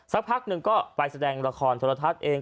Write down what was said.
สักพักหนึ่งก็ไปแสดงละครโทรทัศน์เอง